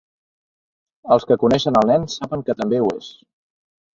Els que coneixen el nen saben que també ho és.